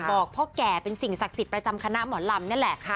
พ่อแก่เป็นสิ่งศักดิ์สิทธิ์ประจำคณะหมอลำนี่แหละ